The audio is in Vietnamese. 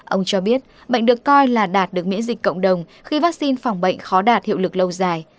ông cho biết bệnh được coi là đạt được miễn dịch cộng đồng khi vaccine phòng bệnh khó đạt hiệu lực lâu dài